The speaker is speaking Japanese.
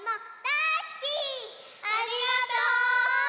ありがとう。